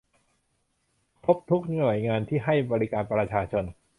ครบทุกหน่วยงานที่ให้บริการประชาชน